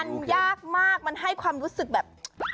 มันยากมากมันให้ความรู้สึกแบบ